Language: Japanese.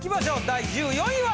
第１４位は！